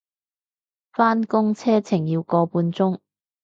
返工車程要個半鐘